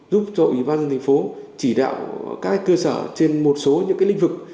giúp cho ủy ban dân thành phố chỉ đạo các cơ sở trên một số những cái lĩnh vực